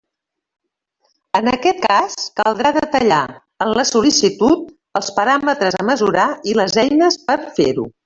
En aquest cas, caldrà detallar en la sol·licitud els paràmetres a mesurar i les eines per fer-ho.